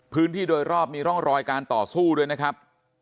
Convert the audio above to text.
พื้นที่โดยรอบมีร่องรอยการต่อสู้ด้วยนะครับ